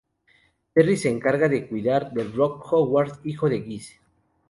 Terry se encarga de cuidar de Rock Howard, hijo de Geese.